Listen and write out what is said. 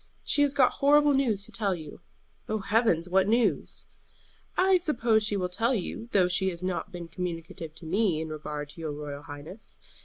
She has got horrible news to tell you." "Oh, heavens! What news?" "I suppose she will tell you, though she has not been communicative to me in regard to your royal highness.